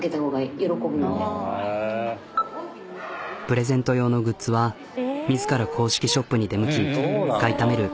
プレゼント用のグッズは自ら公式ショップに出向き買いためる。